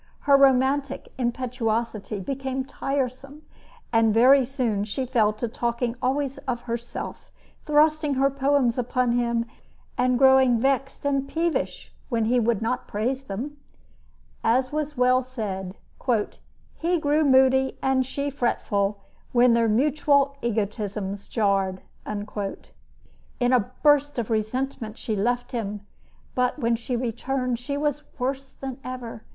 Her romantic impetuosity became tiresome, and very soon she fell to talking always of herself, thrusting her poems upon him, and growing vexed and peevish when he would not praise them. As was well said, "he grew moody and she fretful when their mutual egotisms jarred." In a burst of resentment she left him, but when she returned, she was worse than ever.